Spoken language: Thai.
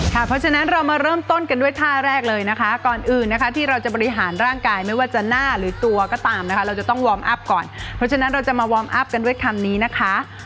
เพราะฉะนั้นเรามาเริ่มต้นกันด้วยท่าแรกเลยนะคะก่อนอื่นนะคะที่เราจะบริหารร่างกายไม่ว่าจะหน้าหรือตัวก็ตามนะคะเราจะต้องวอร์มอัพก่อนเพราะฉะนั้นเราจะมาวอร์มอัพกันด้วยคำนี้นะคะ